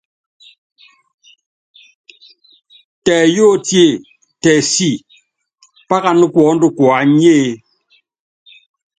Tɛ yóótíe, tɛ sí, pákaná kuondo kuányíe ?